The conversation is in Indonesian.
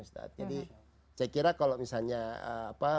jadi saya kira kalau misalnya